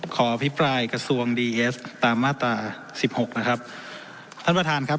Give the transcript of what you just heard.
อภิปรายกระทรวงดีเอสตามมาตราสิบหกนะครับท่านประธานครับ